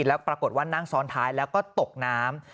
แล้วปรากฏว่านั่งซ้อนท้ายแล้วก็ตกน้ำ